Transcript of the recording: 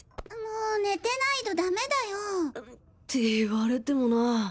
もう寝てないとダメだよ。って言われてもな。